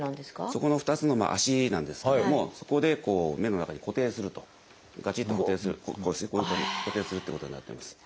そこの２つの足なんですけどもそこで目の中に固定するとがちっと固定する固定するっていうことになってます。